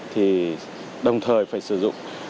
thì đồng thời phải sử dụng